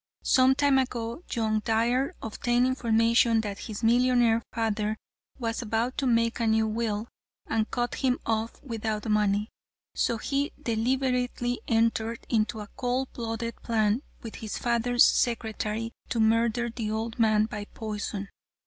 Some time ago, young Dire obtained information that his millionaire father was about to make a new will, and cut him off without money, so he deliberately entered into a cold blooded plan with his father's secretary to murder the old man by poison.